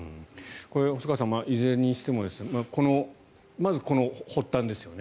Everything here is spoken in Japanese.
細川さん、いずれにしてもまずこの発端ですよね。